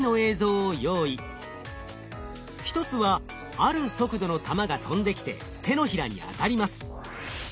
一つはある速度の球が飛んできて手のひらに当たります。